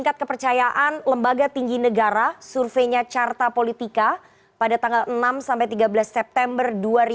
tingkat kepercayaan lembaga tinggi negara surveinya carta politika pada tanggal enam sampai tiga belas september dua ribu dua puluh